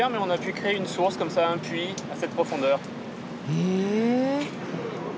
へえ。